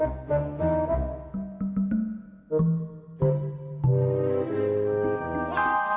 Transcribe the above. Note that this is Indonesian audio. ada lima pertanyaan